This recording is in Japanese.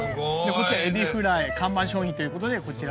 こっちは海老フライ看板商品ということでこちらを。